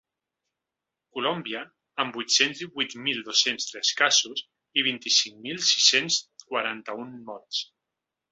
Colòmbia, amb vuit-cents divuit mil dos-cents tres casos i vint-i-cinc mil sis-cents quaranta-un morts.